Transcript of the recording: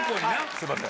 すいません。